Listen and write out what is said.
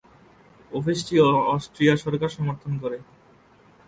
অফিসটি অস্ট্রিয়া সরকার সমর্থন করে।